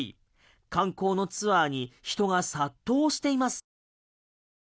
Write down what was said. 観光のツアーに人が殺到しています。